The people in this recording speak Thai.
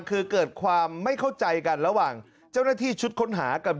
คือเกิดความไม่เข้าใจกันระหว่างเจ้าหน้าที่ชุดค้นหากับ